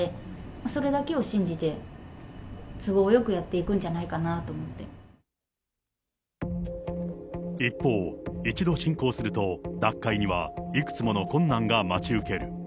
それだけを信じて都合よくやって一方、一度信仰すると、脱会にはいくつもの困難が待ち受ける。